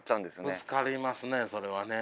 ぶつかりますねそれはね。